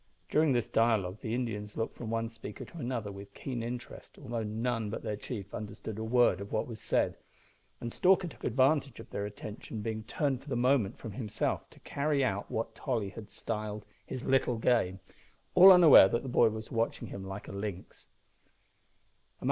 During this dialogue the Indians looked from one speaker to another with keen interest, although none but their chief understood a word of what was said; and Stalker took advantage of their attention being turned for the moment from himself to carry out what Tolly had styled his "little game," all unaware that the boy was watching him like a lynx.